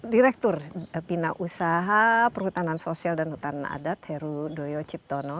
direktur bina usaha perhutanan sosial dan hutan adat heru doyo ciptono